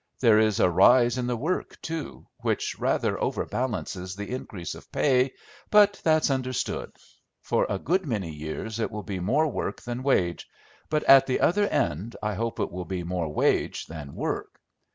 There is a rise in the work, too, which rather overbalances the increase of pay, but that's understood; for a good many years it will be more work than wage, but at the other end I hope it will be more wage than work.